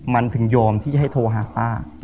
มันถึงยอมที่จะให้โทรหาป้า